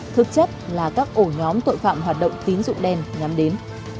thực chất là các ổ nhóm tội phạm hoạt động tín dụng đen nhắm đến